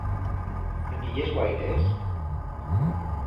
En viyiés guaires?